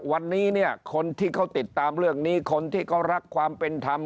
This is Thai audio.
วันนี้เนี่ยคนที่เขาติดตามเรื่องนี้คนที่เขารักความเป็นธรรม